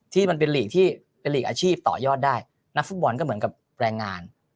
ที่มันเป็นหลีกที่เป็นหลีกอาชีพต่อยอดได้นักฟุตบอลก็เหมือนกับแรงงาน